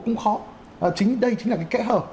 công khó chính đây chính là cái kẽ hở